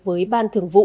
với ban thường vụ